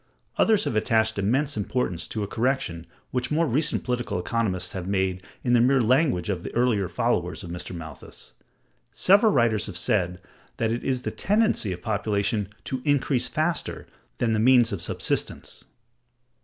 Others have attached immense importance to a correction which more recent political economists have made in the mere language of the earlier followers of Mr. Malthus. Several writers had said that it is the tendency of population to increase faster than the means of subsistence.